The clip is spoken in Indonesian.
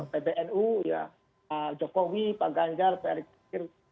pbnu ya jokowi pak ganjar pak erick kekir